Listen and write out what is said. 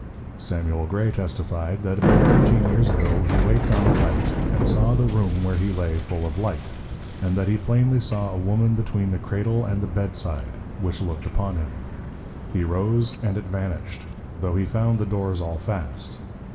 Samuel Gray testifi'd, That about fourteen Years ago, he wak'd on a Night, and saw the Room where he lay full of Light; and that he then saw plainly a Woman between the Cradle, and the Bed side, which look'd upon him. He rose, and it vanished; tho' he found the Doors all fast.